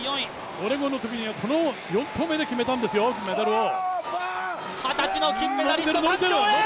オレゴンのときにはこの４投目で決めたんですよ、メダルを。